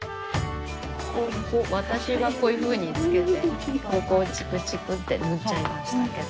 私はこういうふうにつけてここをちくちくって縫っちゃいましたけど。